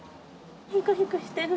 ヒクヒクしてる。